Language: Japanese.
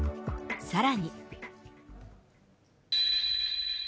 さらに。